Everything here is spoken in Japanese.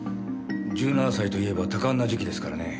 １７歳といえば多感な時期ですからね。